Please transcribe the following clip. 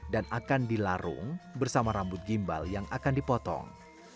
akan dilarung bersama rambut gimbal yang akan dipotong